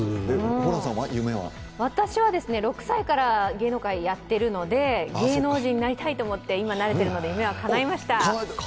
私は６歳から芸能界やってるので芸能人になりたいと思って、今なれているので、夢はかないました。